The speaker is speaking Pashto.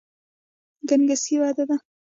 ګنګسي بده ده.